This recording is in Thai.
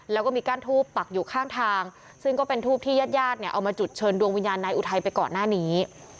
แล้วก็มีก้านทูปปักอยู่ข้างทางซึ่งก็เป็นทูบที่ญาติญาติเนี่ยเอามาจุดเชิญดวงวิญญาณนายอุทัยไปก่อนหน้านี้